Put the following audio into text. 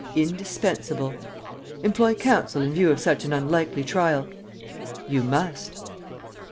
"Indispensable." "Employ counsel in view of such an unlikely trial?" "You must."